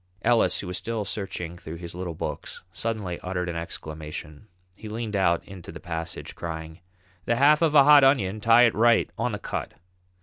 Ellis, who was still searching through his little books, suddenly uttered an exclamation. He leaned out into the passage, crying: "The half of a hot onion; tie it right on the cut."